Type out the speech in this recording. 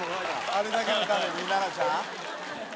「あれだけのために奈々ちゃん？」